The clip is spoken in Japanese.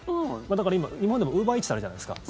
だから、今までもウーバーイーツってあるじゃないですか。